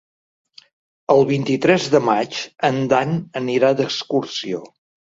El vint-i-tres de maig en Dan anirà d'excursió.